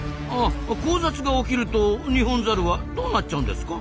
交雑が起きるとニホンザルはどうなっちゃうんですか？